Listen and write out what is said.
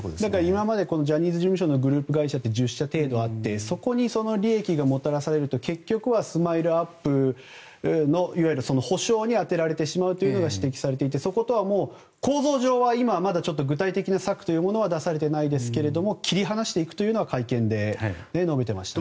今までジャニーズ事務所のグループ会社１０社ぐらいあってそこにその利益がもたらされると結局はＳＭＩＬＥ−ＵＰ．のいわゆる補償に充てられてしまうというのが指摘されていてそことはもう、構造上は具体的な策は出されていませんが切り離していくというのは会見で述べていましたね。